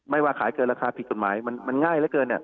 ไม่ว่าขายเกินราคาผิดคุณหมายมันมันง่ายเหลือเกินเนี่ย